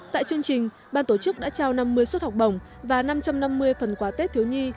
tại chương trình ban tổ chức đã trao năm mươi suất học bổng và năm trăm năm mươi phần quà tết thiếu nhi